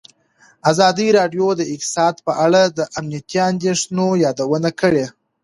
ازادي راډیو د اقتصاد په اړه د امنیتي اندېښنو یادونه کړې.